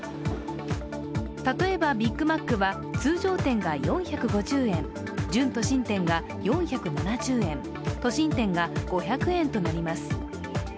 例えば、ビッグマックは通常店が４５０円、準都心店が４７０円、都心店が５００円となります。